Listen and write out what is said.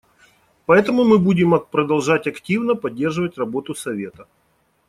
Поэтому мы будем продолжать активно поддерживать работу Совета.